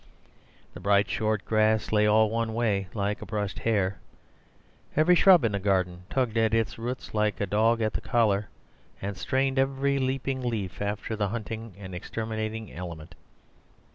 The bright short grass lay all one way like brushed hair. Every shrub in the garden tugged at its roots like a dog at the collar, and strained every leaping leaf after the hunting and exterminating element.